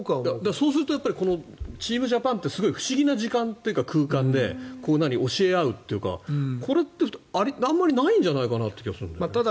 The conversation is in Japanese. そうするとチームジャパンってすごく不思議な時間というか空間で教え合うというかこれってあまりないんじゃないかなという気がするんですが。